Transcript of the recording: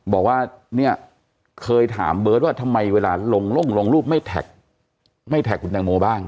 บอกว่าเนี่ยเคยถามเบิร์ตว่าทำไมเวลาลงรูปไม่แท็กไม่แท็กคุณแตงโมบ้าง